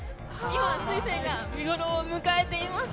今は水仙が見頃を迎えています。